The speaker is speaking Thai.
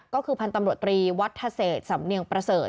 ก็คือพันธ์ตำรวจตรีวัฒเศษสำเนียงประเสริฐ